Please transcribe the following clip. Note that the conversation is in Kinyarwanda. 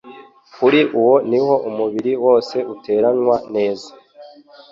Kuri uwo ni ho Umubiri wose uteranywa neza